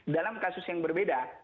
dalam kasus yang berbeda